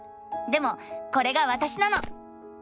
でもこれがわたしなの！